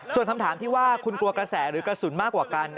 ส่วนคำถามที่ว่าคุณกลัวกระแสหรือกระสุนมากกว่ากัน